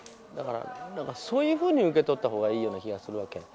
そういうふうに受け取った方がいいような気がするわけ。